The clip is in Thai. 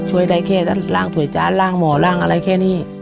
ช่วยได้แค่ร่างถ่วยจานร่างหมอร่างอะไรแค่นี้